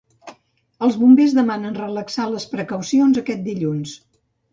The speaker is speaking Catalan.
Els Bombers demanen relaxar les precaucions aquest dilluns.